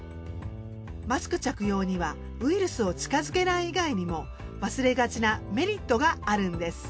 マスク着用にはウイルスを近づけない以外にも忘れがちなメリットがあるんです。